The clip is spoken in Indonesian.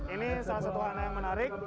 ini salah satu wahana yang menarik